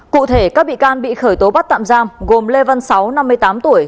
cụ thể các bị can bị khởi tố bắt tạm giam gồm lê văn sáu năm mươi tám tuổi